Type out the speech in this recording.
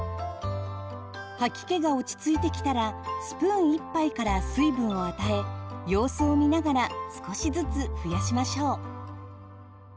吐き気が落ち着いてきたらスプーン１杯から水分を与え様子を見ながら少しずつ増やしましょう。